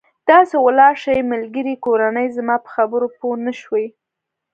داسې ولاړ شئ، ملګري، کورنۍ، زما په خبرو پوه نه شوې.